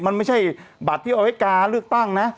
มันไม่ใช่บัตรที่เอาไว้กาเลือกตั้งนะ